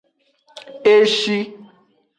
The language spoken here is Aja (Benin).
E shi.